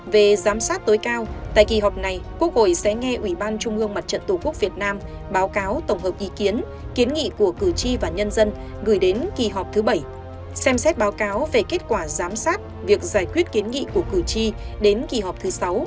về giám sát tối cao tại kỳ họp này quốc hội sẽ nghe ủy ban trung ương mặt trận tổ quốc việt nam báo cáo tổng hợp ý kiến kiến nghị của cử tri và nhân dân gửi đến kỳ họp thứ bảy xem xét báo cáo về kết quả giám sát việc giải quyết kiến nghị của cử tri đến kỳ họp thứ sáu